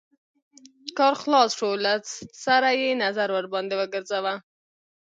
کار خلاص شو له سره يې نظر ورباندې وګرځوه.